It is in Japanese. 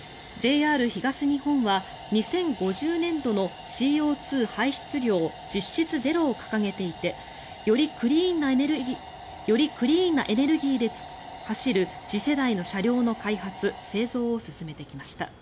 ＪＲ東日本は２０５０年度のＣＯ２排出量実質ゼロを掲げていてよりクリーンなエネルギーで走る次世代の車両の開発・製造を進めてきました。